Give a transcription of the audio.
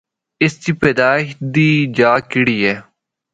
اس دی پیدائش دی جا کِڑی ہے۔